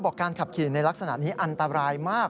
การขับขี่ในลักษณะนี้อันตรายมาก